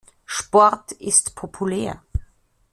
Sport ist populär.